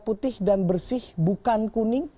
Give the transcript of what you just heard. putih dan bersih bukan kuning